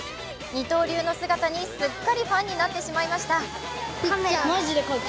二刀流の姿にすっかりファンになってしまいました。